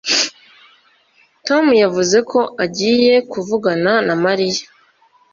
Tom yavuze ko agiye kuvugana na Mariya